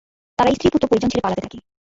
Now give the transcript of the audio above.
তারা স্ত্রী, পুত্র, পরিজন ছেড়ে পালাতে থাকে।